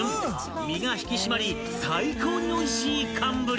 ［身が引き締まり最高においしい寒ぶり］